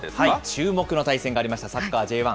注目の対戦がありました、サッカーＪ１。